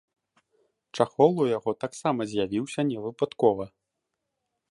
Чахол у яго таксама з'явіўся не выпадкова.